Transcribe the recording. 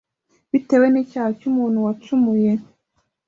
Bitewe n’icyaha cy’umuntu wacumuye